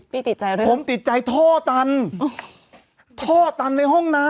ติดใจเรื่องผมติดใจท่อตันท่อตันในห้องน้ำ